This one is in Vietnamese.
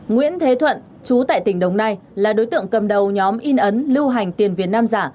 nguyễn thế thuận chú tại tỉnh đồng nai là đối tượng cầm đầu nhóm in ấn lưu hành tiền việt nam giả